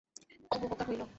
খুব উপকার হইল।